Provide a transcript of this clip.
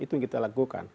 itu yang kita lakukan